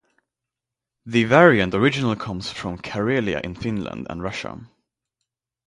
The variant originally comes from Karelia in Finland and Russia.